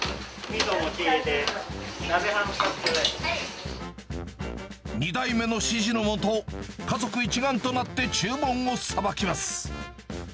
みそに餅入れて、２代目の指示の下、家族一丸となって注文をさばきます。